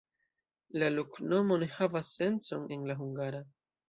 La loknomo ne havas sencon en la hungara.